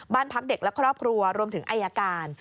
บ้านพักเด็กและครอบครัวรวมถึงอายการ